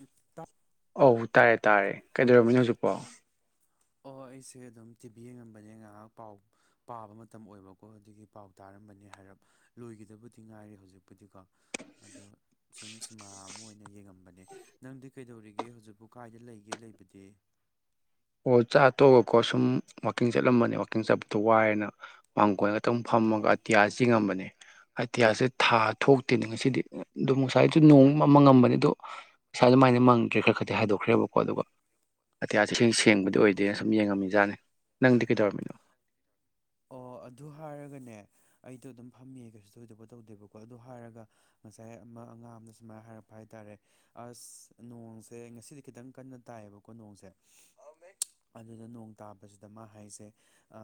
ꯎ ꯇꯥ ꯑꯧ ꯇꯥꯢꯌꯦ ꯇꯥꯔꯦ ꯀꯩꯗꯧꯔꯝꯃꯤꯅꯣ ꯍꯧꯖꯤꯛꯄꯣ ꯑꯣ ꯑꯩꯁꯦ ꯑꯗꯨꯝ ꯇꯤꯚꯤ ꯌꯦꯡꯉꯝꯕꯅꯦ ꯉꯍꯥꯛ ꯄꯥꯎ ꯄꯥꯕ ꯃꯇꯝ ꯑꯣꯏꯕꯀꯣ ꯑꯗꯨꯒꯤ ꯄꯥꯎ ꯇꯥꯔꯝꯕꯅꯤ ꯍꯥꯏꯔꯞ ꯂꯣꯏꯈꯤꯗꯕꯨꯗꯤ ꯉꯥꯏꯔꯤ ꯍꯧꯖꯤꯛ ꯄꯨꯗꯤꯀꯣ ꯑꯗꯣ ꯁꯨꯝ ꯁꯤꯃꯥ ꯑꯃ ꯑꯣꯏꯅ ꯌꯦꯡꯉꯝꯕꯅꯦ ꯅꯪꯗꯤ ꯀꯩꯗꯧꯔꯤꯒꯦ ꯍꯧꯖꯤꯛꯄꯨ ꯀꯥꯏꯗ ꯂꯩꯒꯦ ꯂꯩꯕꯗꯤ ꯑꯣ ꯆꯥ ꯇꯣꯛꯑꯒꯀꯣ ꯁꯨꯝ ꯋꯥꯛꯀꯤꯡ ꯆꯠꯂꯝꯕꯅꯦ ꯋꯥꯛꯀꯤꯡ ꯆꯠꯄꯗꯣ ꯋꯥꯏꯌꯦꯅ ꯃꯥꯡꯒꯣꯟꯗ ꯑꯗꯨꯝ ꯐꯝꯃꯒ ꯑꯇꯤꯌꯥꯁꯤ ꯌꯦꯡꯉꯝꯕꯅꯦ ꯑꯇꯤꯌꯥꯁꯦ ꯊꯥ ꯊꯣꯛꯇꯦꯅꯦ ꯉꯁꯤꯗꯤ ꯑ ꯗꯨꯝ ꯉꯁꯥꯏꯖꯨ ꯅꯣꯡ ꯃꯪ ꯃꯪꯉꯝꯕꯅꯦ ꯑꯗꯨ ꯉꯁꯥꯢ ꯑꯗꯨꯃꯥꯏꯅ ꯃꯪꯗ꯭ꯔꯦ ꯈꯔ ꯈꯔꯇꯤ ꯍꯥꯏꯗꯣꯛꯈ꯭ꯔꯦꯕꯀꯣ ꯑꯗꯨꯒ ꯑꯇꯤꯌꯥꯁꯦ ꯏꯁꯦꯡ ꯁꯦꯡꯕꯗꯤ ꯑꯣꯏꯗꯦ ꯁꯨꯝ ꯌꯦꯡꯉꯝꯃꯤꯖꯥꯠꯅꯦ ꯅꯪꯗꯤ ꯀꯩꯗꯧꯔꯝꯃꯤꯅꯣ ꯑꯣ ꯑꯗꯨ ꯍꯥꯏꯔꯒꯅꯦ ꯑꯩꯗꯨ ꯑꯗꯨꯝ ꯐꯝꯃꯤꯌꯦ ꯀꯩꯁꯨ ꯊꯣꯏꯗꯣꯛꯄ ꯇꯧꯗꯦꯕꯀꯣ ꯑꯗꯨ ꯍꯥꯏꯔꯒ ꯉꯁꯥꯏ ꯑꯃ ꯑꯉꯥꯡ ꯑꯃꯅ ꯁꯨꯃꯥꯏꯟ ꯍꯥꯏꯔꯛꯄ ꯍꯥꯏꯇꯥꯔꯦ ꯑꯁ ꯅꯣꯡꯁꯦ ꯉꯁꯤꯗꯤ ꯈꯤꯇꯪ ꯀꯟꯅ ꯇꯥꯏꯌꯦꯕꯀꯣ ꯅꯣꯡꯁꯦ [unintelligible] ꯑꯗꯨꯗ ꯅꯣꯡ ꯇꯥꯕꯖꯤꯗ ꯃꯥ ꯍꯥꯏꯁꯦ ꯑ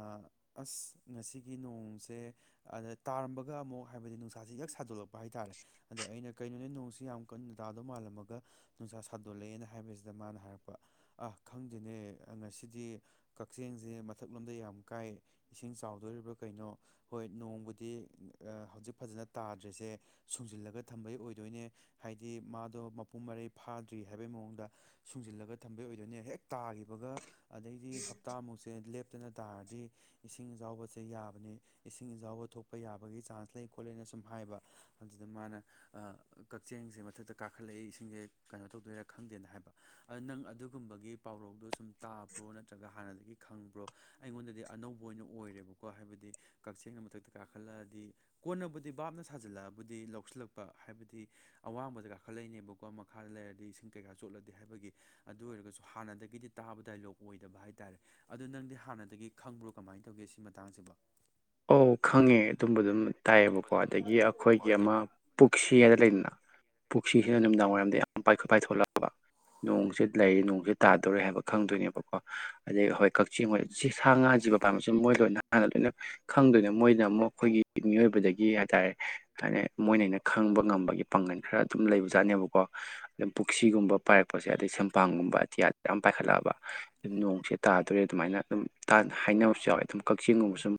ꯑꯁ ꯉꯁꯤꯒꯤ ꯅꯣꯡꯁꯦ ꯑꯗ ꯇꯥꯔꯝꯕꯒ ꯑꯃꯨꯛ ꯍꯥꯏꯕꯗꯤ ꯅꯨꯡꯁꯥꯥꯁꯦ ꯌꯛ ꯁꯥꯗꯣꯛꯂꯛꯄ ꯍꯥꯏꯇꯥꯥꯔꯦ ꯑꯗ ꯑꯩꯅ ꯀꯩꯅꯣꯅꯦ ꯅꯣꯡꯁꯤ ꯌꯥꯝ ꯀꯟꯅ ꯇꯥꯗꯧ ꯃꯥꯜꯂꯝꯃꯒ ꯅꯨꯡꯁꯥ ꯁꯥꯗꯣꯂꯛꯑꯦꯅ ꯍꯥꯏꯕꯁꯤꯗ ꯃꯥꯅ ꯍꯥꯏꯔꯛꯄ ꯑ ꯈꯪꯗꯦꯅꯦ ꯉꯁꯤꯗꯤ ꯀꯛꯆꯦꯡꯖꯦ ꯃꯊꯛꯂꯣꯝꯗ ꯌꯥꯝ ꯀꯥꯏ ꯏꯁꯤꯡ ꯆꯥꯎꯗꯣꯔꯤꯕ꯭ꯔꯥ ꯀꯩꯅꯣ ꯍꯣꯏ ꯅꯣꯡꯕꯨꯗꯤ ꯑ ꯍꯧꯖꯤꯛ ꯐꯖꯅ ꯇꯥꯗ꯭ꯔꯤꯁꯦ ꯁꯨꯡꯖꯤꯜꯂꯒ ꯊꯝꯕꯩ ꯑꯣꯏꯗꯣꯏꯅꯦ ꯍꯥꯏꯗꯤ ꯃꯥꯗꯣ ꯃꯄꯨꯡ ꯃꯔꯩ ꯐꯥꯗ꯭ꯔꯤ ꯍꯥꯏꯕꯩ ꯃꯑꯣꯡꯗ ꯁꯨꯡꯖꯤꯜꯂꯒ ꯊꯝꯕꯩ ꯑꯣꯏꯗꯣꯏꯅꯦ ꯍꯦꯛ ꯇꯥꯒꯤꯕꯒ ꯑꯗꯩꯗꯤ ꯍꯞꯇꯥꯃꯨꯛꯁꯦ ꯂꯦꯞꯇꯅ ꯇꯥꯔꯗꯤ ꯏꯁꯤꯡ ꯢꯖꯥꯎꯕꯁꯦ ꯌꯥꯕꯅꯤ ꯏꯁꯤꯡ ꯏꯖꯥꯎꯕ ꯊꯣꯛꯄ ꯌꯥꯕꯒꯤ ꯆꯥꯟꯁ ꯂꯩ ꯈꯣꯠꯂꯦꯅ ꯁꯨꯝ ꯍꯥꯏꯕ ꯑꯗꯨꯗ ꯃꯥꯅ ꯑ ꯀꯛꯆꯦꯡꯁꯦ ꯃꯊꯛꯇ ꯀꯥꯈꯠꯂꯛꯏ ꯏꯁꯤꯡꯖꯦ ꯀꯩꯅꯣ ꯇꯧꯗꯣꯏꯔꯥ ꯈꯪꯗꯦꯅ ꯍꯥꯏꯕ ꯑ ꯅꯪ ꯑꯗꯨꯒꯨꯝꯕꯒꯤ ꯄꯥꯎꯔꯧꯗꯣ ꯁꯨꯝ ꯇꯥꯕ꯭ꯔꯣ ꯅꯠꯇ꯭ꯔꯒ ꯍꯥꯟꯅꯗꯒꯤ ꯈꯪꯕ꯭ꯔꯣ ꯑꯩꯉꯣꯟꯗꯗꯤ ꯑꯅꯧ ꯕ ꯑꯣꯏꯅ ꯑꯣꯏꯔꯦꯕꯀꯣ ꯍꯥꯏꯕꯗꯤ ꯀꯛꯆꯦꯡꯅ ꯃꯊꯛꯇ ꯀꯥꯈꯠꯂꯛꯑꯗꯤ ꯀꯣꯟꯅꯕꯨꯗꯤ ꯕꯥꯞꯅ ꯁꯥꯖꯤꯜꯂꯛꯑꯕꯨꯗꯤ ꯂꯧꯁꯤꯜꯂꯛꯄ ꯍꯥꯏꯕꯗꯤ ꯑꯋꯥꯡꯕꯗ ꯀꯥꯈꯠꯂꯛꯏꯅꯦꯕꯀꯣ ꯃꯈꯥꯗ ꯂꯩꯔꯗꯤ ꯏꯁꯤꯡ ꯀꯩꯀꯥ ꯆꯣꯠꯂꯗꯤ ꯍꯥꯏꯕꯒꯤ ꯑꯗꯨ ꯑꯣꯏꯔꯒꯁꯨ ꯍꯥꯟꯅꯗꯒꯤꯗꯤ ꯇꯥꯕ ꯗꯥꯏꯂꯣꯛ ꯑꯣꯏꯗꯕ ꯍꯥꯏ ꯇꯥꯔꯦ ꯑꯗꯨ ꯅꯪꯗꯤ ꯍꯥꯟꯅꯗꯒꯤ ꯈꯪꯕ꯭ꯔꯣ ꯀꯃꯥꯏꯟ ꯇꯧꯒꯦ ꯁꯤ ꯃꯇꯥꯡꯁꯤꯕꯣ ꯑꯧ ꯈꯪꯉꯦ ꯑꯗꯨꯝꯕ ꯗꯨꯝ ꯇꯥꯏꯌꯦꯕꯀꯣ ꯑꯗꯒꯤ ꯑꯈꯣꯏꯒꯤ ꯑꯃ ꯄꯨꯛꯁꯤ ꯍꯥꯏꯗ ꯂꯩꯗꯅ ꯄꯨꯛꯁꯤꯁꯤꯅ ꯅꯨꯃꯤꯗꯥꯡ ꯋꯥꯏꯔꯝꯗ ꯌꯥꯝ ꯄꯥꯏ ꯄꯥꯏꯊꯣꯛꯂꯛꯑꯕ ꯅꯣꯡꯁꯦ ꯂꯩ ꯅꯣꯡꯁꯦ ꯇꯥꯗꯣꯔꯦ ꯍꯥꯏꯕ ꯈꯪꯗꯣꯏꯅꯦꯕꯀꯣ ꯑꯗꯒꯤ ꯍꯣꯏ ꯀꯛꯆꯦꯡ ꯍꯣꯏ ꯁꯤ ꯁꯥ ꯉꯥ ꯖꯤꯕ ꯄꯥꯝꯕꯁꯤ ꯃꯣꯏ ꯂꯣꯏꯅ ꯍꯥꯟꯅ ꯂꯣꯏꯅ ꯈꯪꯗꯣꯏꯅꯤ ꯃꯣꯏꯅ ꯑꯃꯨꯛ ꯑꯈꯣꯏꯒꯤ ꯃꯤꯑꯣꯏꯕꯗꯒꯤ ꯍꯥꯏꯇꯥꯔꯦ ꯍꯥꯏꯗꯤ ꯃꯣꯏꯅ ꯑꯩꯅ ꯈꯪꯕ ꯉꯝꯕꯒꯤ ꯄꯥꯡꯒꯜ ꯈꯔ ꯑꯗꯨꯝ ꯂꯩꯕꯖꯥꯠꯅꯦꯕꯀꯣ ꯄꯨꯁꯤꯒꯨꯝꯕ ꯄꯥꯏꯔꯛꯄꯁꯦ ꯑꯗꯩ ꯁꯦꯡꯄꯥꯡꯒꯨꯝꯕ ꯑꯇꯤꯌꯥꯗ ꯌꯥꯝ ꯄꯥꯏꯈꯠꯂꯛꯑꯕ ꯅꯣꯡꯁꯦ ꯇꯥꯗꯣꯔꯦ ꯑꯗꯨꯃꯥꯏꯅ ꯑꯗꯨꯝ ꯇꯥ ꯍꯥꯏꯅꯕꯁꯨ ꯌꯥꯎꯋꯦ ꯑꯗꯨꯝ ꯀꯛꯆꯤꯡꯒꯨꯝꯕ ꯁꯨꯝ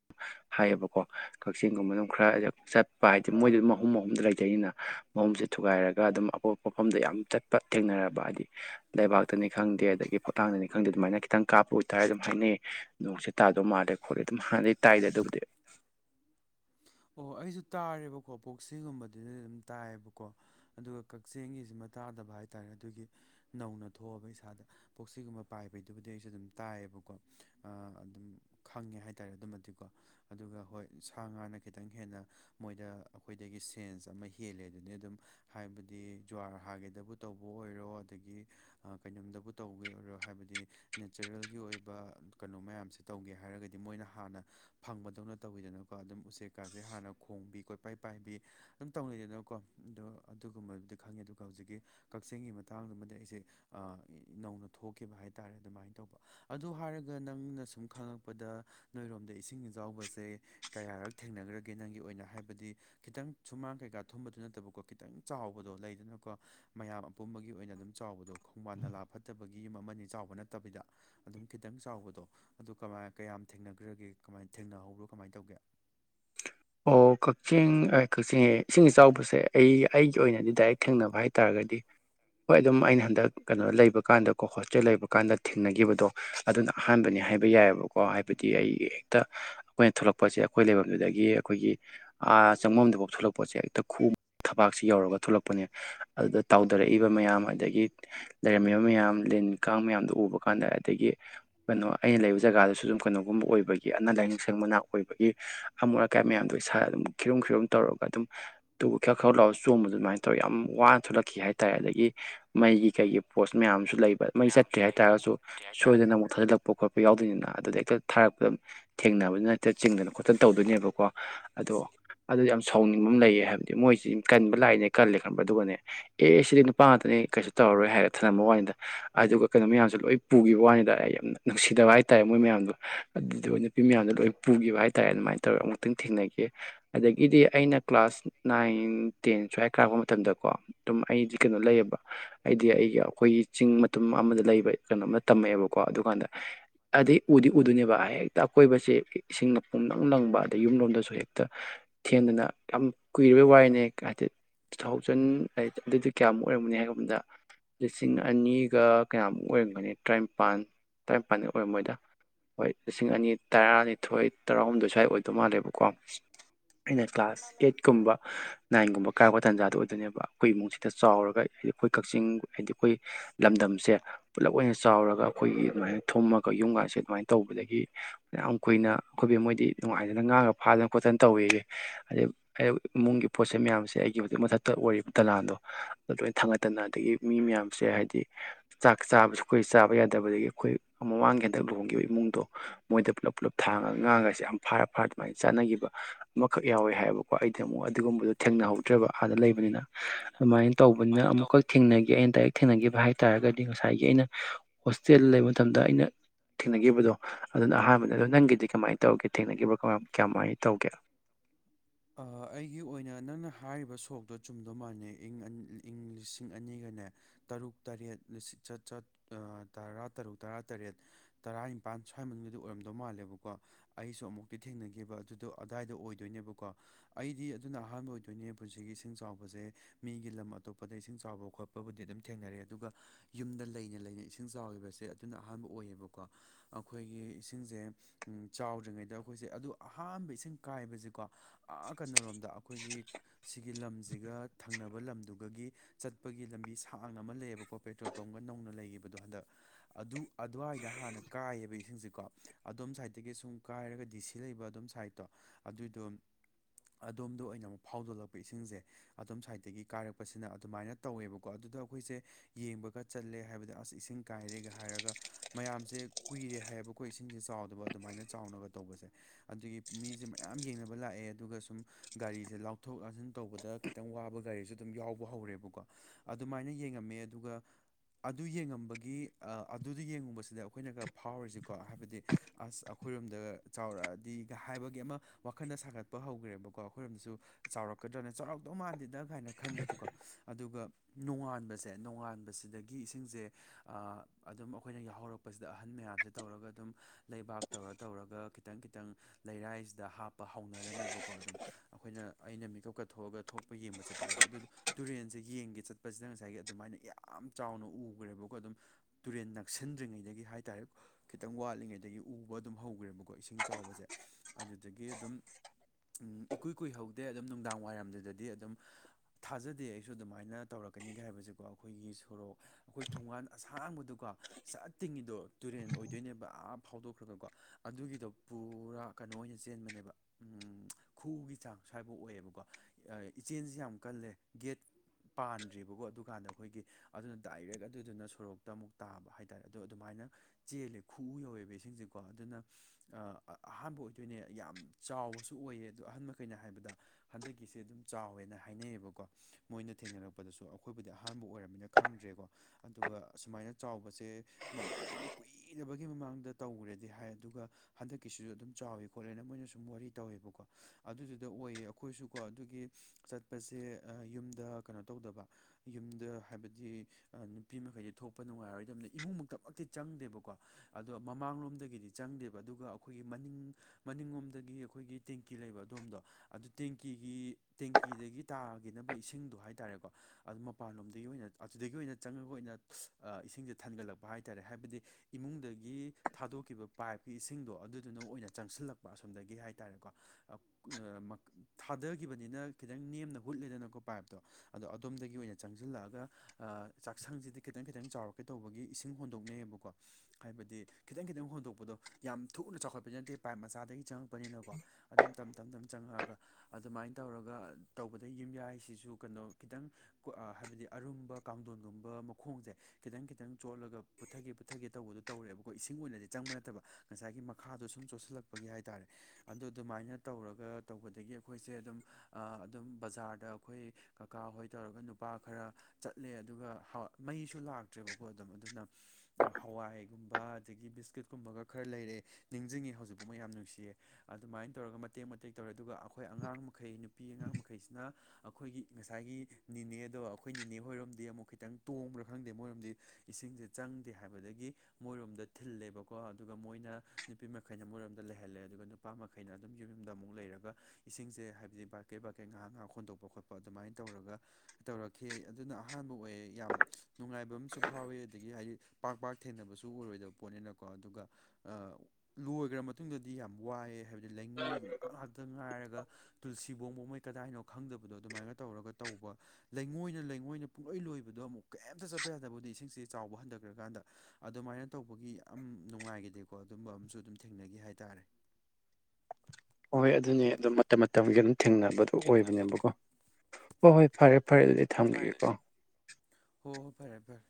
ꯍꯥꯏꯌꯦꯕꯀꯣ ꯀꯛꯆꯤꯡꯒꯨꯝꯕꯅ ꯈꯔ ꯆꯠꯄ ꯍꯥꯏꯗꯤ ꯃꯣꯏꯗꯤ ꯃꯍꯨꯝ ꯃꯍꯨꯝꯗ ꯂꯩꯗꯣꯏꯅꯤꯅ ꯃꯍꯨꯝꯁꯦ ꯊꯨꯒꯥꯏꯔꯒ ꯑꯗꯨꯝ ꯑꯄꯣꯞꯄ ꯃꯐꯝꯗ ꯌꯥꯝ ꯆꯠꯄ ꯊꯦꯡꯅꯔꯕ ꯍꯥꯏꯗꯤ ꯂꯩꯕꯥꯛꯇꯅꯤ ꯈꯪꯗꯦ ꯑꯗꯒꯤ ꯐꯛꯂꯥꯡꯗꯅꯤ ꯈꯪꯗꯦ ꯑꯗꯨꯃꯥꯏꯅ ꯈꯤꯇꯪ ꯀꯥꯞꯄ ꯑꯣꯏꯇꯥꯔꯦ ꯑꯗꯨꯝ ꯍꯥꯏꯅꯩ ꯅꯣꯡꯁꯦ ꯇꯥꯗꯧ ꯃꯥꯜꯂꯦ ꯈꯣꯠꯂꯦ ꯑꯗꯨꯝ ꯍꯥꯟꯅꯗꯒꯤ ꯇꯥꯏꯗ ꯑꯗꯨꯕꯨꯗꯤ ꯑꯣ ꯑꯩꯁꯨ ꯇꯥꯔꯦꯕꯀꯣ ꯄꯣꯛꯁꯤ ꯒꯨꯝꯕꯗꯤ ꯑꯗꯨꯝ ꯇꯥꯏꯌꯦꯕꯀꯣ ꯑꯗꯨꯒ ꯀꯛꯆꯦꯡꯒꯤꯁꯤꯃ ꯇꯥꯗꯕ ꯍꯥꯏ ꯇꯥꯔꯦ ꯑꯗꯨꯒꯤ ꯅꯧꯅ ꯊꯣꯛꯑꯕ ꯏꯁꯥꯗ ꯄꯣꯛꯁꯤꯒꯨꯝꯕ ꯄꯥꯏꯕꯩꯗꯨꯕꯨꯗꯤ ꯑꯩꯁꯨ ꯑꯗꯨꯝ ꯇꯥꯏꯌꯦꯕꯀꯣ ꯑ ꯑꯗꯨꯝ ꯈꯪꯉꯦ ꯍꯥꯏꯇꯥꯔꯦ ꯑꯗꯨꯃꯗꯤꯀꯣ ꯑꯗꯨꯒ ꯍꯣꯏ ꯁꯥ ꯉꯥꯅ ꯈꯤꯇꯪ ꯍꯦꯟꯅ ꯃꯣꯏꯗ ꯑꯈꯣꯏꯗꯒꯤ ꯁꯦꯟꯁ ꯑꯃ ꯍꯦꯜꯂꯦ ꯑꯗꯨꯅꯦ ꯑꯗꯨꯝ ꯍꯥꯏꯕꯗꯤ ꯖꯨꯋꯥꯔ ꯍꯥꯒꯦꯗꯕꯨ ꯇꯧꯕ ꯑꯣꯏꯔꯣ ꯑꯗꯒꯤ ꯀꯩꯅꯣꯝꯗꯕꯨ ꯇꯧꯒꯦ ꯑꯣꯏꯔꯣ ꯍꯥꯏꯕꯗꯤ ꯅꯦꯆꯔꯦꯜꯒꯤ ꯑꯣꯏꯕ ꯀꯩꯅꯣ ꯃꯌꯥꯝꯁꯦ ꯇꯧꯒꯦ ꯍꯥꯏꯔꯒꯗꯤ ꯃꯣꯏꯅ ꯍꯥꯟꯅ ꯐꯪꯕꯗꯧꯅ ꯇꯧꯋꯤꯗꯅꯀꯣ ꯑꯗꯨꯝ ꯎꯆꯦꯛꯀꯥꯁꯦ ꯍꯥꯟꯅ ꯈꯣꯡꯕꯤ ꯀꯣꯏꯄꯥꯏ ꯄꯥꯏꯕꯤ ꯑꯗꯨꯝ ꯇꯧꯅꯩꯗꯅꯀꯣ ꯑꯗꯣ ꯑꯗꯨꯒꯨꯝꯕꯗꯨꯗꯤ ꯈꯪꯉꯦ ꯑꯗꯨꯒ ꯍꯧꯖꯤꯛꯀꯤ ꯀꯛꯆꯦꯡꯒꯤ ꯃꯇꯥꯡꯗꯨꯃꯗꯤ ꯑꯩꯁꯦ ꯑ ꯅꯧꯅ ꯊꯣꯛꯈꯤꯕ ꯍꯥꯏ ꯇꯥꯔꯦ ꯑꯗꯨꯃꯥꯏꯅ ꯇꯧꯕ ꯑꯗꯨ ꯍꯥꯏꯔꯒ ꯅꯪꯅ ꯁꯨꯝ ꯈꯪꯉꯛꯄꯗ ꯅꯣꯏꯔꯣꯝꯗ ꯏꯁꯤꯡ ꯏꯆꯥꯎꯒꯁꯦ ꯀꯌꯥꯔꯛ ꯊꯦꯡꯅꯈ꯭ꯔꯒꯦ ꯅꯪꯒꯤ ꯑꯣꯏꯅ ꯍꯥꯏꯕꯗꯤ ꯈꯤꯇꯪ ꯁꯨꯃꯥꯡ ꯀꯩꯀꯥ ꯊꯨꯝꯕꯗꯨ ꯅꯠꯇꯕꯀꯣ ꯈꯤꯇꯪ ꯆꯥꯎꯕꯗꯣ ꯂꯩꯗꯅꯀꯣ ꯃꯌꯥꯝ ꯑꯄꯨꯝꯕꯒꯤ ꯑꯣꯏꯅ ꯑꯗꯨꯝ ꯆꯥꯎꯕꯗꯣ ꯈꯣꯡꯕꯥꯟ ꯅꯂꯥ ꯐꯠꯇꯕꯒꯤ ꯌꯨꯝ ꯑꯃꯅꯤ ꯆꯥꯎꯕ ꯅꯠꯇꯕꯤꯗ ꯑꯗꯨꯝ ꯈꯤꯇꯪ ꯆꯥꯎꯕꯗꯣ ꯑꯗꯨ ꯀꯃꯥꯏ ꯀꯌꯥꯝ ꯊꯦꯡꯅꯈ꯭ꯔꯒꯦ ꯀꯃꯥꯏ ꯊꯦꯡꯅꯍꯧꯕ꯭ꯔꯣ ꯀꯃꯥꯏꯅ ꯇꯧꯒꯦ ꯑꯣ ꯀꯛꯆꯦꯡ ꯑ ꯀꯛꯆꯦꯡ ꯑꯌꯦ ꯏꯁꯤꯡ ꯏꯆꯥꯎꯕꯁꯦ ꯑꯩ ꯑꯩꯒꯤ ꯑꯣꯏꯅꯗꯤ ꯗꯥꯏꯔꯦꯛ ꯊꯦꯡꯅꯕ ꯍꯥꯏꯇꯥꯔꯒꯗꯤ ꯍꯣꯏ ꯑꯗꯨꯝ ꯑꯩꯅ ꯍꯟꯗꯛ ꯀꯩꯅꯣ ꯂꯩꯕ ꯀꯥꯟꯗ ꯀꯣ ꯍꯣꯁꯇꯦꯜ ꯂꯩꯕ ꯀꯥꯟꯗ ꯊꯦꯡꯅꯒꯤꯕꯗꯣ ꯑꯗꯨꯅ ꯑꯍꯥꯟꯕꯅꯤ ꯍꯥꯏꯕ ꯌꯥꯏꯌꯦꯕꯀꯣ ꯍꯥꯏꯕꯗꯤ ꯑꯩ ꯍꯦꯛꯇ ꯑꯈꯣꯏꯅ ꯊꯣꯛꯂꯛꯄꯁꯦ ꯑꯈꯣꯏ ꯂꯩꯕꯝꯗꯨꯗꯒꯤ ꯑꯈꯣꯏꯒꯤ ꯑꯥ ꯆꯪꯐꯝ ꯗꯨꯐꯥꯎ ꯊꯣꯛꯂꯛꯄꯁꯦ ꯍꯦꯛꯇ ꯈꯨ ꯊꯕꯥꯛꯁꯤ ꯌꯧꯔꯒ ꯊꯣꯛꯂꯛꯄꯅꯦ ꯑꯗꯨꯗ ꯇꯥꯎꯗꯔꯛꯏꯕ ꯃꯌꯥꯝ ꯑꯗꯒꯤ ꯂꯩꯔꯝꯃꯤꯕ ꯃꯌꯥꯝ ꯂꯤꯟ ꯀꯥꯡ ꯃꯌꯥꯝꯗꯨ ꯎꯕ ꯀꯥꯟꯗ ꯑꯗꯒꯤ ꯀꯩꯅꯣ ꯑꯩꯅ ꯂꯩꯕ ꯖꯒꯥꯗꯨꯁꯨ ꯑꯗꯨꯨꯝ ꯀꯩꯅꯣꯒꯨꯝꯕ ꯑꯣꯏꯕꯒꯤ ꯑꯅꯥ ꯂꯥꯏꯌꯦꯡ ꯁꯪ ꯃꯅꯥ ꯑꯣꯏꯕꯒꯤ ꯑꯃꯨꯠ ꯀꯥꯏ ꯃꯌꯥꯝꯗꯣ ꯏꯁꯥꯗ ꯑꯗꯨꯝ ꯈꯤꯔꯨꯝ ꯈꯤꯔꯨꯝ ꯇꯧꯔꯒ ꯑꯗꯨꯝ ꯇꯨꯒ ꯈ꯭ꯌꯥꯎ ꯈꯥꯎ ꯂꯥꯎꯔ ꯆꯣꯡꯕꯗꯨ ꯑꯗꯨꯃꯥꯏꯅ ꯇꯧꯔ ꯌꯥꯝ ꯋꯥꯅ ꯊꯣꯛꯂꯛꯈꯤ ꯍꯥꯏ ꯇꯥꯏ ꯑꯗꯒꯤ ꯃꯩꯒꯤ ꯀꯩꯒꯤ ꯄꯣꯁ ꯃꯌꯥꯝ ꯑꯝꯁꯨ ꯂꯩꯕ ꯃꯩ ꯃꯌꯥꯝꯁꯨ ꯆꯠꯇ꯭ꯔꯦ ꯂꯩꯕꯅꯤ ꯍꯥꯏꯇꯥꯔꯒꯁꯨ ꯍꯥꯏꯇꯥꯔꯦ ꯁꯣꯏꯗꯅ ꯑꯃꯨꯛ ꯊꯥꯖꯤꯜꯂꯛꯄ ꯈꯣꯠꯄ ꯌꯥꯎꯗꯣꯏꯅꯤꯅ ꯑꯗꯨꯗ ꯍꯦꯛꯇ ꯊꯥꯔꯛꯄ ꯑꯗꯨꯝ ꯊꯦꯡꯅꯕꯅꯤꯅ ꯍꯦꯛꯇ ꯆꯤꯡꯗꯅ ꯈꯣꯠꯇꯅ ꯇꯧꯗꯣꯏꯅꯦꯕ ꯑꯗꯣ ꯑꯗꯨ ꯌꯥꯝ ꯁꯥꯎꯅꯤꯡꯕ ꯑꯃ ꯂꯩꯌꯦ ꯍꯥꯏꯕꯗꯤ ꯃꯣꯏꯁꯤ ꯀꯟꯕ ꯂꯥꯛꯏꯅꯦ ꯀꯜꯂꯦ ꯈꯪꯕꯔ ꯑꯗꯨꯒꯅꯦ ꯑꯦ ꯁꯤꯗꯤ ꯅꯨꯄꯥ ꯉꯥꯛꯇꯅꯦ ꯀꯩꯁꯨ ꯇꯧꯔꯔꯣꯏ ꯍꯥꯏꯔꯦ ꯊꯜꯂꯝꯕ ꯋꯥꯅꯤꯗ ꯑꯗꯨꯒ ꯀꯩꯅꯣ ꯃꯌꯥꯝꯁꯨ ꯂꯣꯏ ꯄꯨꯈꯤꯕ꯭ꯋꯥꯅꯤꯗ ꯑꯩ ꯌꯥꯝꯅ ꯅꯨꯡꯁꯤꯗꯕ ꯍꯥꯏ ꯇꯥꯔꯦ ꯃꯣꯏ ꯃꯌꯥꯝꯗꯣ ꯑꯗꯨꯗꯤ‌ ꯅꯨꯄꯤ ꯃꯌꯥꯝꯗꯣ ꯂꯣꯏ ꯄꯨꯈꯤꯕ ꯍꯥꯏꯇꯥꯔꯦ ꯑꯗꯨꯃꯥꯏꯅ ꯇꯧꯔꯒ ꯑꯃꯨꯛꯇꯪ ꯊꯦꯡꯅꯈꯤ ꯑꯗꯒꯤꯗꯤ ꯑꯩꯅ ꯀ꯭ꯂꯥꯁ ꯅꯥꯏꯟ ꯇꯦꯟ ꯁ꯭ꯋꯥꯏ ꯀꯥꯔꯛꯄ ꯃꯇꯝꯗꯀꯣ ꯑꯗꯨꯝ ꯑꯩꯗꯤ ꯀꯩꯅꯣ ꯂꯩꯌꯦꯕ ꯑꯩꯗꯤ ꯑꯩꯒꯤ ꯑꯈꯣꯏꯒꯤ ꯆꯤꯡ ꯃꯇꯨꯝ ꯑꯃꯗ ꯂꯩꯕ ꯀꯩꯅꯣꯝꯅ ꯇꯝꯃꯛꯑꯦꯕꯀꯣ ꯑꯗꯨ ꯀꯥꯟꯗ ꯑꯗꯩ ꯎꯗꯤ ꯎꯗꯣꯏꯅꯦꯕ ꯍꯦꯛꯇ ꯑꯀꯣꯏꯕꯁꯦ ꯏꯁꯤꯡꯅ ꯄꯨꯡꯅꯪ ꯅꯪꯕ ꯑꯗꯩ ꯌꯨꯝꯂꯣꯝꯗꯁꯨ ꯍꯦꯛꯇ ꯊꯦꯡꯗꯅ ꯌꯥꯝ ꯀꯨꯏꯔꯕꯩ ꯋꯥꯔꯤꯅꯦ ꯍꯥꯏꯗꯤ ꯇꯨ ꯊꯥꯎꯖꯟ ꯑꯩꯠ ꯑꯗꯨꯏꯗꯤ ꯀꯌꯥꯃꯨꯛ ꯑꯣꯏꯔꯝꯒꯅꯤ ꯍꯥꯏꯕꯗ ꯂꯤꯁꯤꯡ ꯑꯅꯤꯒ ꯀꯌꯥꯃꯨꯛ ꯑꯣꯏꯔꯝꯒꯅꯤ ꯇꯔꯥꯏꯝꯄꯥꯟ ꯇꯔꯥꯏꯝꯄꯥꯟꯗꯤ ꯑꯣꯏꯔꯝꯃꯣꯏꯗ ꯍꯣꯏ ꯂꯤꯁꯤꯡ ꯑꯅꯤ ꯇꯔꯥꯅꯤꯊꯣꯏ ꯇꯔꯥꯍꯨꯝꯗꯣꯏ ꯁ꯭ꯋꯥꯏ ꯑꯣꯏ ꯗꯨ ꯃꯥꯜꯂꯦꯕꯀꯣ ꯑꯩꯅ ꯀ꯭ꯂꯥꯁ ꯑꯦꯠꯀꯨꯝꯕ ꯅꯥꯏꯟꯒꯨꯝꯕ ꯀꯥꯏꯔꯛꯄ ꯇꯥꯟꯖꯥꯗ ꯑꯣꯏ ꯑꯗꯨꯣꯏꯅꯦꯕ ꯑꯈꯣꯏ ꯏꯃꯨꯡꯁꯤꯗ ꯆꯥꯎꯔꯒ ꯍꯥꯏꯗꯤ ꯑꯈꯣꯏ ꯀꯛꯆꯤꯡ ꯍꯥꯏꯗꯤ ꯑꯈꯣꯏ ꯂꯝꯗꯝꯁꯦ ꯄꯨꯂꯞ ꯑꯣꯏꯅ ꯆꯥꯎꯔꯒ ꯑꯈꯣꯏꯒꯤ ꯑꯗꯨꯃꯥꯏꯅ ꯊꯨꯝꯃꯒ ꯌꯨꯝꯒꯥꯁꯦ ꯑꯗꯨꯃꯥꯏꯅ ꯇꯧꯕꯗꯒꯤ ꯌꯥꯝ ꯀꯨꯏꯅ ꯑꯈꯣꯏ ꯕꯦꯝ ꯃꯣꯏꯗꯤ ꯅꯨꯡꯉꯥꯏꯗꯅ ꯉꯥꯒ ꯐꯥꯗꯅ ꯈꯣꯠꯇꯅ ꯇꯧꯋꯦꯌꯦ ꯑꯗꯩ ꯑꯩ ꯏꯃꯨꯡꯒꯤ ꯄꯣꯠ ꯆꯩꯩ ꯃꯌꯥꯝꯁꯦ ꯑꯩꯒꯤꯕꯨꯗꯤ ꯃꯊꯛꯇ ꯑꯣꯏꯔꯤꯕ ꯗꯂꯥꯟꯗꯣ ꯂꯣꯏꯅ ꯊꯥꯡꯒꯠꯇꯅ ꯑꯗꯒꯤ ꯃꯤ ꯃꯌꯥꯝꯁꯦ ꯍꯥꯏꯗꯤ ꯆꯥꯛ ꯆꯥꯕꯁꯨ ꯑꯈꯣꯏ ꯆꯥꯕ ꯌꯥ ꯇꯕꯗꯒꯤ ꯑꯩꯈꯣꯏ ꯃꯃꯥꯡꯒꯤ ꯍꯟꯇꯛ ꯂꯨꯍꯣꯡꯈꯤꯕ ꯏꯃꯨꯡꯗꯣ ꯃꯣꯏꯗ ꯄꯨꯂꯞ ꯄꯨꯂꯞ ꯊꯥꯡꯉꯒ ꯉꯥꯒꯖꯦ ꯌꯥꯝ ꯐꯔ ꯐꯔ ꯑꯗꯨꯃꯥꯏꯅ ꯆꯠꯅꯈꯤꯕ ꯑꯃꯈꯛ ꯌꯥꯎꯋꯦ ꯍꯥꯏꯌꯦꯕꯀꯣ ꯑꯩꯗꯤ ꯑꯃꯨꯛ ꯑꯗꯨꯒꯨꯝꯕꯗꯣ ꯊꯦꯡꯅꯍꯧꯗ꯭ꯔꯕ ꯑꯥꯗ ꯂꯩꯕꯅꯤꯅ ꯂꯩꯕꯅꯤꯅ ꯑꯗꯨꯃꯥꯏꯅ ꯇꯧꯕꯅꯤꯅ ꯑꯗꯨꯃꯥꯏꯅ ꯇꯧ ꯑꯃꯨꯛꯀ ꯊꯦꯡꯅꯒꯤ ꯑꯩꯅ ꯗꯥꯏꯔꯦꯛ ꯊꯦꯡꯅꯒꯤꯕ ꯍꯥꯏ ꯇꯥꯔꯒꯗꯤ ꯉꯁꯥꯏꯒꯤ ꯑꯩꯅ ꯍꯣꯁꯇꯦꯜ ꯂꯩꯕ ꯃꯇꯝꯗ ꯑꯩꯅ ꯊꯦꯡꯅꯒꯤꯕꯗꯣ ꯑꯗꯨꯅ ꯑꯍꯥꯟꯕꯅꯦ ꯑꯗꯣ ꯅꯪꯒꯤꯗꯤ ꯀꯃꯥꯏꯅ ꯇꯧꯒꯦ ꯊꯦꯡꯅꯒꯤꯕ ꯀꯃ ꯀꯝꯃꯥꯏꯅ ꯇꯧꯒꯦ ꯑꯥꯑ ꯑꯩꯒꯤ ꯑꯣꯏꯅ ꯅꯪꯅ ꯍꯥꯏꯔꯤꯕ ꯁꯣꯛꯇꯣ ꯆꯨꯝꯗꯧ ꯃꯥꯥꯟꯅꯩꯪ ꯏꯪ ꯑꯥ ꯑꯅꯤ ꯏꯪ ꯂꯤꯁꯤꯡ ꯑꯅꯤꯒꯅꯦ ꯇꯔꯨꯛ ꯇꯔꯦꯠ ꯂꯤꯁꯤ ꯆꯠꯆꯠ ꯇꯔꯥ ꯇꯔꯨꯛ ꯇꯔꯥꯇꯔꯦꯠ ꯇꯔꯥꯅꯤꯄꯥꯟ ꯁ꯭ꯋꯥꯏ ꯃꯅꯨꯡꯗꯗꯤ ꯑꯣꯏꯔꯝꯗꯧ ꯃꯥꯜꯂꯦꯕꯀꯣ ꯑꯩꯁꯨ ꯑꯃꯨꯛꯇꯤ ꯊꯦꯡꯅꯒꯤꯕ ꯑꯗꯨꯗꯣ ꯑꯗꯥꯏꯗ ꯑꯣꯏꯗꯣꯏꯅꯦꯕꯀꯣ ꯑꯩꯗꯤ ꯑꯗꯨꯅ ꯑꯍꯥꯟꯕ ꯑꯣꯏꯗꯣꯏꯅꯦ ꯄꯨꯟꯁꯤꯒꯤ ꯏꯁꯤꯡ ꯆꯥꯎꯕꯖꯦ ꯃꯤꯒꯤ ꯂꯝ ꯑꯇꯣꯞꯄꯗ ꯏꯁꯤꯡ ꯆꯥꯎꯕ ꯈꯣꯠꯄꯕꯨꯗꯤ ꯑꯗꯨꯝ ꯊꯦꯡꯅꯔꯦ ꯑꯗꯨꯒ ꯌꯨꯝꯗ ꯂꯩꯅ ꯂꯩꯅ ꯏꯁꯤꯡ ꯆꯥꯎꯒꯤꯕꯁꯦ ꯑꯗꯨꯅ ꯑꯍꯥꯟꯕ ꯑꯣꯏꯌꯦꯕꯀꯣ ꯑꯩꯈꯣꯏꯒꯤ ꯏꯁꯤꯡꯖꯦ ꯎꯪ ꯆꯥꯎꯗ꯭ꯔꯤꯉꯩꯗ ꯑꯩꯈꯣꯏꯖꯦ ꯑꯗꯨ ꯑꯍꯥꯟꯕ ꯏꯁꯤꯡ ꯀꯥꯏꯕꯖꯤꯀꯣ ꯑꯥ ꯀꯩꯅꯣꯔꯣꯝꯗ ꯑꯩꯈꯣꯏꯒꯤ ꯁꯤꯒꯤ ꯂꯝꯖꯤꯒ ꯊꯪꯅꯕ ꯂꯝꯗꯨꯒꯒꯤ ꯆꯠꯄꯒꯤ ꯂꯝꯕꯤ ꯁꯥꯡꯅ ꯑꯃ ꯂꯩꯌꯦꯕꯀꯣ ꯄꯦꯇ꯭ꯔꯣꯜ ꯄꯝꯒ ꯅꯧꯅ ꯂꯩꯒꯤꯕꯗꯣ ꯍꯟꯗꯛ ꯑꯗꯨ ꯑꯗꯨꯋꯥꯏꯗ ꯍꯥꯟꯅ ꯀꯥꯏꯌꯦꯕ ꯏꯁꯤꯡꯖꯦꯀꯣ ꯑꯗꯣꯝ ꯁꯥꯏꯠꯇꯒꯤ ꯁꯨꯝ ꯀꯥꯏꯔꯒ ꯗꯤ ꯁꯤ ꯂꯩꯕ ꯑꯗꯣꯝ ꯁꯥꯏꯗꯇꯣ ꯑꯗꯨꯏꯗꯣ ꯑꯗꯣꯝꯗ ꯑꯣꯏꯅ ꯑꯃꯨꯛ ꯐꯥꯎꯗꯣꯛꯂꯛꯄ ꯏꯁꯤꯡꯖꯦ ꯑꯗꯣꯝ ꯁꯥꯏꯠꯇꯒꯤ ꯀꯥꯏꯔꯛꯄꯁꯤꯅ ꯑꯗꯨꯃꯥꯏꯅ ꯇꯧꯋꯦꯕꯀꯣ ꯑꯗꯨꯗ ꯑꯩꯈꯣꯏꯁꯦ ꯌꯦꯡꯕꯒ ꯆꯠꯂꯦ ꯍꯥꯏꯕꯗꯤ ꯑꯥꯁ ꯏꯁꯤꯡ ꯀꯥꯏꯔꯦꯒ ꯍꯥꯏꯔꯒ ꯃꯌꯥꯝꯖꯦ ꯀꯨꯏꯔꯦ ꯍꯥꯏꯌꯦꯕ ꯑꯩꯈꯣꯏ ꯏꯁꯤꯡꯁꯦ ꯆꯥꯎꯗꯕ ꯑꯗꯨꯃꯥꯏꯅ ꯆꯥꯎꯅꯒ ꯇꯧꯕꯖꯦ ꯑꯗꯨꯒꯤ ꯃꯤꯖꯦ ꯃꯌꯥꯝ ꯌꯦꯡꯅꯕ ꯂꯥꯛꯑꯦ ꯑꯗꯨꯒ ꯁꯨꯝ ꯒꯥꯔꯤꯖꯦ ꯂꯥꯎꯊꯣꯛ ꯂꯥꯟꯖꯤꯟ ꯇꯧꯕꯗ ꯈꯤꯇꯪ ꯋꯥꯕ ꯒꯥꯔꯤꯖꯨ ꯑꯗꯨꯝ ꯌꯥꯎꯕ ꯍꯧꯔꯦꯕꯀꯣ ꯑꯗꯨꯃꯥꯏꯅ ꯌꯦꯡꯉꯝꯃꯦ ꯑꯗꯨꯒ ꯑꯗꯨ ꯌꯦꯡꯉꯝꯕꯒꯤ ꯑꯗꯨꯗ ꯌꯦꯡꯉꯨꯕꯁꯤꯗ ꯑꯩꯈꯣꯏꯅꯒ ꯐꯥꯎꯔꯤꯁꯤꯀꯣ ꯍꯥꯏꯕꯗꯤ ꯑꯥꯁ ꯑꯩꯈꯣꯏꯔꯣꯝꯗ ꯆꯥꯎꯔꯛꯑꯗꯤꯒ ꯍꯥꯏꯕꯒꯤ ꯑꯃ ꯋꯥꯈꯜꯅ ꯁꯥꯒꯠ ꯄꯥ ꯍꯧꯒ꯭ꯔꯦꯕꯀꯣ ꯑꯩꯈꯣꯏꯔꯣꯝꯗꯁꯨ ꯆꯥꯎꯔꯛꯀꯗ꯭ꯔꯅ ꯆꯥꯎꯔꯛꯇꯧ ꯃꯥꯟꯗꯦꯗ ꯀꯥꯏꯅ ꯈꯟꯕꯗꯣꯀꯣ ꯑꯗꯨꯒ ꯅꯣꯡꯉꯥꯟꯕꯁꯦ ꯅꯣꯡꯉꯥꯟꯕꯁꯤꯗꯒꯤ ꯏꯁꯤꯡꯖꯦ ꯑꯥꯑ ꯑꯗꯨꯝ ꯑꯩꯈꯣꯏꯅ ꯌꯥꯍꯧꯔꯛꯄꯁꯤꯗ ꯑꯍꯟ ꯃꯌꯥꯝꯖꯦ ꯇꯧꯔꯒ ꯑꯗꯨꯝ ꯂꯩꯕꯥꯛ ꯇꯧꯔ ꯇꯧꯔꯒ ꯈꯤꯇꯪ ꯈꯤꯇꯪ ꯂꯩꯔꯥꯏꯖꯤꯗ ꯍꯥꯞꯄ ꯍꯧꯅꯔꯝꯃꯦꯕꯀꯣ ꯑꯗꯨꯝ ꯑꯩꯈꯣꯏꯅ ꯑꯩꯅ ꯃꯤꯠꯀꯞꯀ ꯊꯣꯛꯑꯒ ꯊꯣꯛꯄ ꯌꯦꯡꯕ ꯆꯠꯄꯗꯗꯤ ꯑꯗꯨꯗꯣ ꯇꯨꯔꯦꯟꯖꯦ ꯌꯦꯡꯒꯦ ꯆꯠꯄꯖꯤꯗ ꯉꯁꯥꯏꯒꯤ ꯑꯗꯨꯃꯥꯏꯅ ꯌꯥꯝ ꯆꯥꯎꯅ ꯎꯒ꯭ꯔꯦꯕꯀꯣ ꯑꯗꯨꯝ ꯇꯨꯔꯦꯟ ꯅꯛꯁꯤꯟꯗ꯭ꯔꯤꯉꯩꯗꯒꯤ ꯍꯥꯏꯇꯥꯔꯦ ꯈꯤꯇꯪ ꯋꯥꯠꯂꯤꯉꯩꯗꯒꯤ ꯎꯕ ꯑꯗꯨꯝ ꯍꯧꯒ꯭ꯔꯦꯕꯀꯣ ꯏꯁꯤꯡ ꯆꯥꯎꯕꯖꯦ ꯑꯗꯨꯗꯒꯤ ꯑꯗꯨꯝ ꯏꯀꯨꯏ ꯀꯨꯏꯍꯧꯗꯦ ꯑꯗꯨꯝ ꯅꯨꯡꯗꯥꯡ ꯋꯥꯏꯔꯝꯗꯨꯗꯗꯤ ꯑꯗꯨꯝ ꯊꯥꯖꯗꯦ ꯑꯩꯁꯨ ꯑꯗꯨꯃꯥꯏꯅ ꯇꯧꯔꯛꯀꯅꯤꯒ ꯍꯥꯏꯕꯖꯦꯀꯣ ꯑꯩꯈꯣꯏꯒꯤ ꯁꯣꯔꯣꯛ ꯑꯩꯈꯣꯏ ꯊꯣꯡꯒꯥꯟ ꯑꯁꯥꯡꯕꯗꯨꯀꯣ ꯁꯠ ꯇꯤꯡꯉꯤꯗꯣ ꯇꯨꯔꯦꯟ ꯑꯣꯏꯗꯣꯏꯅꯦꯕ ꯑꯥ ꯐꯥꯎꯗꯣꯛꯈ꯭ꯔꯒꯀꯣ ꯑꯗꯨꯒꯤꯗꯣ ꯄꯨꯎꯔꯥ ꯀꯩꯅꯣ ꯑꯣꯏꯅ ꯆꯦꯟꯕꯅꯦꯕ ꯎꯪꯎꯪ ꯈꯨꯒꯤ ꯆꯥꯡ ꯁ꯭ꯋꯥꯏꯐꯥꯎ ꯑꯣꯏꯑꯕꯀꯣ ꯏꯆꯦꯜꯖꯤ ꯌꯥꯝ ꯀꯜꯂꯦ ꯒꯦꯠ ꯄꯥꯟꯗ꯭ꯔꯤꯑꯕꯀꯣ ꯑꯗꯨꯀꯥꯟꯗ ꯑꯩꯈꯣꯏꯒꯤ ꯑꯗꯨꯅ ꯗꯥꯏꯔꯦꯛ ꯑꯗꯨꯗꯨꯅ ꯁꯣꯔꯣꯛꯇ ꯑꯃꯨꯛ ꯇꯥꯕ ꯍꯥꯏꯇꯥꯔꯦ ꯑꯗꯨꯗꯣ ꯑꯗꯨꯃꯥꯏꯅ ꯆꯦꯜꯂꯦ ꯈꯨꯛꯎ ꯌꯧꯋꯦꯕ ꯏꯁꯤꯡꯖꯦꯀꯣ ꯑꯗꯨꯅ ꯑꯥꯑ ꯑꯍꯥꯟꯕ ꯑꯣꯏꯗꯣꯏꯅꯦ ꯌꯥꯝ ꯆꯥꯎꯕꯁꯨ ꯑꯣꯏꯌꯦ ꯑꯗꯣ ꯑꯍꯟ ꯃꯈꯩꯅ ꯍꯥꯏꯕꯗ ꯍꯟꯗꯛꯀꯤꯁꯦ ꯑꯗꯨꯝ ꯆꯥꯎꯋꯦꯅ ꯍꯥꯏꯅꯩꯌꯦꯕꯀꯣ ꯃꯣꯏꯅ ꯊꯦꯡꯅꯔꯛꯄꯗꯁꯨ ꯑꯈꯣꯏꯕꯨꯗꯤ ꯑꯍꯥꯟꯕ ꯑꯣꯏꯔꯕꯝꯅꯤꯅ ꯈꯪꯗ꯭ꯔꯦꯀꯣ ꯑꯗꯨꯒ ꯑꯁꯨꯃꯥꯏꯅ ꯆꯥꯎꯕꯁꯦ ꯃꯃꯥꯡ ꯀꯨꯏꯔꯕꯒꯤ ꯃꯃꯥꯡꯗ ꯇꯧꯈ꯭ꯔꯦꯗꯤ ꯍꯥꯏ ꯑꯗꯨꯒ ꯍꯟꯗꯛꯀꯤꯁꯤꯁꯨ ꯑꯗꯨꯝ ꯆꯥꯎꯋꯤ ꯈꯣꯠꯂꯦꯅ ꯃꯣꯏꯅ ꯁꯨꯝ ꯋꯥꯔꯤ ꯇꯧꯋꯦꯕꯀꯣ ꯑꯗꯨꯗꯨꯗ ꯑꯣꯏꯌꯦ ꯑꯈꯣꯏꯁꯨꯀꯣ ꯑꯗꯨꯒꯤ ꯆꯠꯄꯁꯦ ꯌꯨꯝꯗ ꯀꯩꯅꯣ ꯇꯧꯗꯕ ꯌꯨꯝꯗ ꯍꯥꯏꯕꯗꯤ ꯑ ꯅꯨꯄꯤ ꯃꯈꯩꯗꯤ ꯊꯣꯛꯄ ꯅꯨꯡꯉꯥꯏꯔꯣꯏꯗꯕꯅ ꯏꯃꯨꯡꯃꯛꯇꯃꯛꯇꯤ ꯆꯪꯗꯦꯕꯀꯣ ꯑꯗꯣ ꯃꯃꯥꯡꯔꯣꯝꯗꯒꯤꯗꯤ ꯆꯪꯗꯦꯕ ꯑꯗꯨꯒ ꯑꯈꯣꯏꯒꯤ ꯃꯅꯤꯡ ꯃꯅꯤꯡꯂꯣꯝꯗꯒꯤ ꯑꯈꯣꯏꯒꯤ ꯇꯦꯡꯀꯤ ꯂꯩꯕ ꯑꯗꯣꯝꯗꯣ ꯑꯗꯨ ꯇꯦꯡꯀꯤꯒꯤ ꯇꯦꯡꯀꯤꯗꯒꯤ ꯇꯥꯒꯤꯅꯕ ꯏꯁꯤꯡꯗꯣ ꯍꯥꯏꯇꯥꯔꯦꯀꯣ ꯑꯗꯨ ꯃꯄꯥꯟꯂꯣꯝꯗꯒꯤ ꯑꯣꯏꯅ ꯑꯗꯨꯗꯒꯤ ꯑꯣꯏꯅ ꯆꯪꯉꯒ ꯑꯣꯏꯅ ꯑ ꯏꯁꯤꯡꯁꯦ ꯊꯟꯒꯠꯂꯛꯄ ꯍꯥꯏ ꯇꯥꯔꯦ ꯍꯥꯏꯕꯗꯤ ꯏꯃꯨꯡꯗꯒꯤ ꯊꯥꯗꯣꯛꯈꯤꯕ ꯄꯥꯏꯞꯀꯤ ꯏꯁꯤꯡꯗꯣ ꯑꯗꯨꯗꯨꯅ ꯑꯣꯏꯅ ꯆꯪꯁꯤꯜꯂꯛꯄ ꯑꯁꯣꯝꯗꯒꯤ ꯍꯥꯏꯇꯥꯔꯦꯀꯣ ꯊꯥꯗꯒꯤꯕꯅꯤꯅ ꯈꯤꯇꯪ ꯅꯦꯝꯅ ꯍꯨꯠꯂꯦꯗꯅꯀꯣ ꯄꯥꯏꯞꯇꯣ ꯑꯗꯣ ꯑꯗꯣꯝꯗꯒꯤ ꯑꯣꯏꯅ ꯆꯪꯁꯤꯜꯂꯛꯑꯒ ꯑ ꯆꯥꯛꯁꯪꯁꯤꯗꯤ ꯈꯤꯇꯪ ꯈꯤꯇꯪ ꯆꯥꯎꯔꯛꯀꯦ ꯇꯧꯕꯒꯤ ꯏꯁꯤꯡ ꯍꯣꯟꯗꯣꯛꯅꯩꯌꯦꯕꯀꯣ ꯍꯥꯏꯕꯗꯤ ꯈꯤꯇꯪ ꯈꯤꯇꯪ ꯍꯣꯟꯗꯣꯛꯄꯗꯣ ꯌꯥꯝ ꯊꯨꯅ ꯆꯥꯎꯈꯠꯄꯗꯤ ꯅꯠꯇꯦ ꯄꯥꯏꯞ ꯃꯆꯥꯗꯒꯤ ꯆꯪꯉꯛꯄꯅꯤꯅꯀꯣ ꯑꯗꯨꯝ ꯇꯝ ꯇꯝ ꯇꯝ ꯆꯪꯉꯛꯑꯒ ꯑꯗꯨꯃꯥꯏꯟ ꯇꯧꯔꯒ ꯇꯧꯕꯗꯩ ꯌꯨꯝꯌꯥꯏꯁꯤꯁꯨ ꯀꯩꯅꯣ ꯈꯤꯇꯪ ꯀꯨ ꯑ ꯍꯥꯏꯕꯗꯤ ꯑꯔꯨꯝꯕ ꯀꯥꯡꯗꯣꯟꯒꯨꯝꯕ ꯃꯈꯣꯡꯖꯦ ꯈꯤꯇꯪ ꯈꯤꯇꯪ ꯆꯣꯠꯂꯒ ꯄꯨꯊꯒꯦ ꯄꯨꯊꯒꯦ ꯇꯧꯕꯗꯣ ꯇꯧꯔꯛꯑꯦꯕꯀꯣ ꯏꯁꯤꯡ ꯑꯣꯏꯅꯗꯤ ꯆꯪꯕ ꯅꯠꯇꯕ ꯉꯁꯥꯏꯒꯤ ꯃꯈꯥꯗꯣ ꯁꯨꯝ ꯆꯣꯠꯁꯤꯜꯂꯛꯄꯒꯤ ꯍꯥꯏꯇꯥꯔꯦ ꯑꯗꯨ ꯑꯗꯨꯃꯥꯏꯅ ꯇꯧꯔꯒ ꯇꯧꯕꯗꯒꯤ ꯑꯩꯈꯣꯏꯁꯦ ꯑꯗꯨꯝ ꯑ ꯑꯗꯨꯝ ꯕꯖꯥꯔꯗ ꯑꯈꯣꯏ ꯀꯀꯥ ꯍꯣꯏ ꯇꯧꯔꯒ ꯅꯨꯄꯥ ꯈꯔ ꯆꯠꯂꯦ ꯑꯗꯨꯒ ꯍꯥ ꯃꯩꯁꯨ ꯂꯥꯛꯇ꯭ꯔꯦꯕꯀꯣ ꯑꯗꯨꯝ ꯑꯗꯨꯅ ꯍꯋꯥꯏꯒꯨꯝꯕ ꯑꯗꯒꯤ ꯕꯤꯁꯀꯤꯠꯀꯨꯝꯕꯒ ꯈꯔ ꯂꯩꯔꯦ ꯅꯤꯡꯖꯤꯡꯉꯤ ꯍꯧꯖꯤꯛꯐꯥꯎ ꯃ ꯌꯥꯝ ꯅꯨꯡꯁꯤꯌꯦ ꯑꯗꯨꯃꯥꯏꯟ ꯇꯧꯔꯒ ꯃꯇꯦꯛ ꯃꯇꯦꯛ ꯇꯧꯔꯦ ꯑꯗꯨꯒ ꯑꯈꯣꯏ ꯑꯉꯥꯡ ꯃꯈꯩ ꯅꯨꯄꯤ ꯑꯉꯥꯡ ꯃꯈꯩꯁꯤꯅ ꯑꯈꯣꯏꯒꯤ ꯉꯁꯥꯏꯒꯤ ꯅꯤꯅꯦꯗꯣ ꯑꯈꯣꯏ ꯅꯤꯅꯦ ꯍꯣꯏꯔꯣꯝꯗꯤ ꯑꯃꯨꯛ ꯈꯤꯇꯪ ꯇꯣꯡꯕ꯭ꯔꯥ ꯈꯪꯗꯦ ꯃꯣꯏꯔꯣꯝꯗꯤ ꯏꯁꯤꯡꯁꯦ ꯆꯪꯗꯦ ꯍꯥꯏꯕꯗꯒꯤ ꯃꯣꯏꯔꯣꯝꯗ ꯊꯤꯜꯂꯦꯕꯀꯣ ꯑꯗꯨꯒ ꯃꯣꯏꯅ ꯅꯨꯄꯤ ꯃꯈꯩꯅ ꯃꯣꯏꯔꯣꯝꯗ ꯂꯩꯍꯜꯂꯦ ꯑꯗꯨꯒ ꯅꯨ ꯄꯥ ꯃꯈꯩꯅ ꯑꯗꯨꯝ ꯌꯨꯝ ꯌꯨꯝꯗ ꯑꯃꯨꯛ ꯂꯩꯔꯒ ꯏꯁꯤꯡꯁꯦ ꯍꯥꯏꯕꯗꯤ ꯕꯥꯔꯀꯦ ꯕꯥꯔꯀꯦ ꯉꯍꯥꯛ ꯉꯍꯥꯛ ꯍꯣꯟꯗꯣꯛꯄ ꯈꯣꯠꯄ ꯑꯗꯨꯃꯥꯏꯟ ꯇꯧꯔꯒ ꯇꯧꯔꯛꯈꯤ ꯑꯗꯨꯅ ꯑꯍꯥꯟꯕ ꯑꯣꯏꯌꯦ ꯌꯥꯝ ꯅꯨꯡꯉꯥꯏꯕ ꯑꯝꯁꯨ ꯐꯥꯎꯋꯦ ꯑꯗꯒꯤ ꯍꯥꯏꯗꯤ ꯄꯥꯛ ꯄꯥꯛ ꯊꯦꯡꯅꯕꯁꯨ ꯑꯣꯏꯔꯣꯏꯗꯕ ꯄꯣꯠꯅꯤꯅꯀꯣ ꯑꯗꯨꯒ ꯑꯥ ꯂꯣꯏꯒ꯭ꯔ ꯃꯇꯨꯡꯗꯗꯤ ꯌꯥꯝ ꯋꯥꯏꯌꯦ ꯍꯥꯏꯕꯗꯤ ꯂꯩꯉꯣꯏꯒꯨꯝꯕ ꯉꯥꯛꯇ ꯉꯥꯏꯔꯒ ꯇꯨꯜꯁꯤꯕꯣꯡꯕꯧ ꯃꯣꯏ ꯀꯗꯥꯏꯅꯣ ꯈꯪꯗꯕꯗꯣ ꯑꯗꯨꯃꯥꯏꯅ ꯇꯧꯔꯒ ꯇꯧꯕ ꯂꯩꯉꯣꯏꯅ ꯂꯩꯉꯣꯏꯅ ꯄꯨꯡꯂꯣꯏ ꯂꯣꯏꯕꯗꯣ ꯑꯃꯨꯛ ꯀꯩꯝꯇ ꯆꯠꯄ ꯌꯥꯗꯕꯗꯤ ꯏꯁꯤꯡꯁꯦ ꯆꯥꯎꯕ ꯍꯟꯗꯒ꯭ꯔꯀꯥꯟꯗ ꯑꯗꯨꯃꯥꯏꯅ ꯇꯧꯕꯒꯤ ꯌꯥꯝ ꯅꯨꯡꯉꯥꯏꯒꯤꯗꯦꯀꯣ ꯑꯗꯨꯝꯕ ꯑꯝꯁꯨ ꯑꯗꯨꯝ ꯊꯦꯡꯅꯒꯤ ꯍꯥꯏꯇꯥꯔꯦ ꯍꯣꯏ ꯑꯗꯨꯅꯦ ꯑꯗꯨꯝ ꯃꯇꯝ ꯃꯇꯝꯒꯤ ꯑꯗꯨꯝ ꯊꯦꯡꯅꯕ ꯗꯣ ꯊꯦꯡꯅꯕꯗꯨ ꯑꯣꯏꯕꯅꯦꯕꯀꯣ ꯍꯣꯏ ꯍꯣꯏ ꯐꯔꯦ ꯐꯔꯦ ꯑꯗꯨꯗꯤ ꯐꯔꯦ ꯊꯝꯒꯤꯒꯦꯀꯣ ꯍꯣ ꯍꯣ ꯐꯔꯦ ꯐꯔꯦ